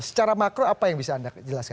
secara makro apa yang bisa anda jelaskan